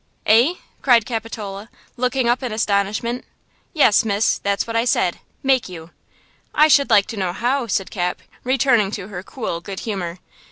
"Eh!" cried Capitola, looking up in astonishment. "Yes, miss; that's what I said–make you!" "I should like to know how," said Cap, returning to her cool good humor.